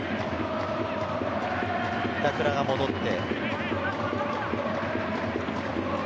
板倉が戻って。